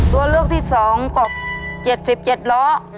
ตัวเลือกที่๒ก็๗๗ล้อ